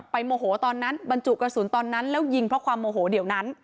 โมโหตอนนั้นบรรจุกระสุนตอนนั้นแล้วยิงเพราะความโมโหเดี๋ยวนั้น